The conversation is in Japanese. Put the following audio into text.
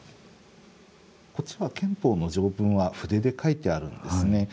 こっちは憲法の条文は筆で書いてあるんですね。